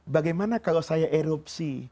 bagaimana kalau saya erupsi